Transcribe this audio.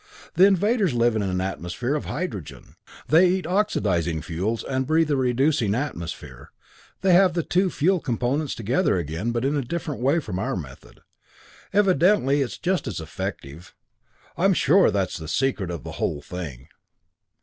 The invaders live in an atmosphere of hydrogen. They eat oxidizing fuels, and breathe a reducing atmosphere; they have the two fuel components together again, but in a way different from our method. Evidently, it's just as effective. I'm sure that's the secret of the whole thing."